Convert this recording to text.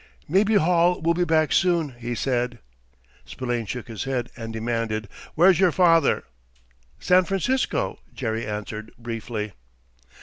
"Maybe Hall will be back soon," he said. Spillane shook his head, and demanded, "Where's your father?" "San Francisco," Jerry answered, briefly.